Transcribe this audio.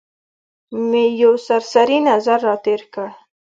مې یو سرسري نظر را تېر کړ.